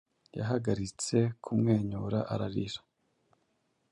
Yahagaritse kumwenyura ararira,